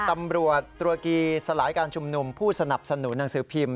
ตำรวจตุรกีสลายการชุมนุมผู้สนับสนุนหนังสือพิมพ์